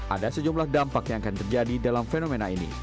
ada sejumlah dampak yang akan terjadi dalam fenomena ini